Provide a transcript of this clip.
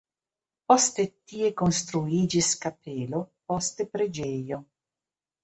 Poste tie konstruiĝis kapelo, poste preĝejo.